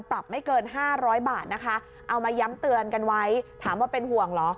ปรับไม่เกินห้าร้อยบาทนะคะเอามาย้ำเตือนกันไว้ถามว่าเป็นห่วงเหรอ